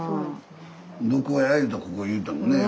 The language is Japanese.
どこや言うたらここ言うたもんね。